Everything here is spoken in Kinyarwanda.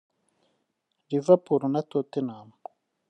Liverpool na Tottenham